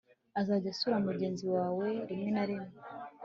uzajye usura mugenzi wawe rimwe na rimwe